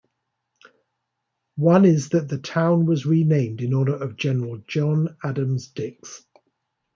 One is that the town was renamed in honor of General John Adams Dix.